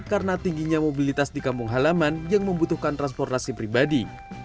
karena tingginya mobilitas di kampung halaman yang membutuhkan transportasi pribadi